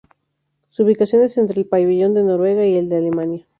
Su ubicación es entre el pabellón de Noruega y el de Alemania.